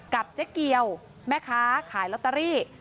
เจ๊เกียวแม่ค้าขายลอตเตอรี่